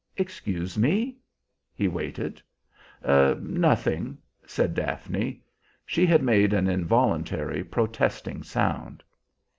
Excuse me?" He waited. "Nothing!" said Daphne. She had made an involuntary protesting sound.